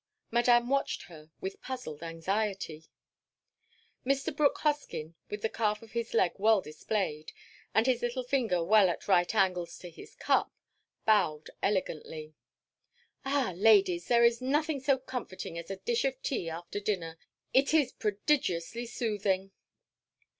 Madame watched her with puzzled anxiety. Mr. Brooke Hoskyn, with the calf of his leg well displayed, and his little finger well at right angles to his cup, bowed elegantly. "Ah, Ladies, there is nothing so comforting as a dish of tea after dinner. It is prodigiously soothing!"